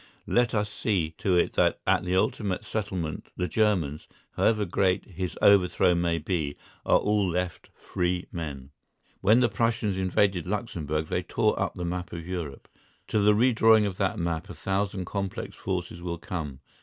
Let us see to it that at the ultimate settlement the Germans, however great his overthrow may be, are all left free men. When the Prussians invaded Luxemburg they tore up the map of Europe. To the redrawing of that map a thousand complex forces will come.